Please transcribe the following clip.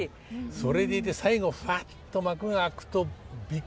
それでいて最後ふわっと幕が開くとびっくりしますよね。